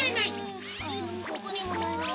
ここにもないな。